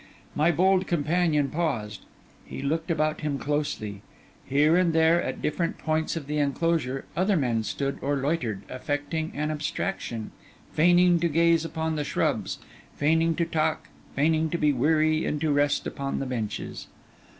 My bold companion paused; he looked about him closely; here and there, at different points of the enclosure, other men stood or loitered, affecting an abstraction, feigning to gaze upon the shrubs, feigning to talk, feigning to be weary and to rest upon the benches.